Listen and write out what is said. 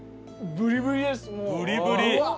ブリブリ。